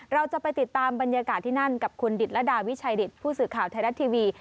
เราจะไปติดตามบรรยากาศที่นั่นกับคุณดิตรดาวิชัยดิตผู้สื่อข่าวไทยรัฐทีวี